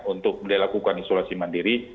untuk melakukan isolasi mandiri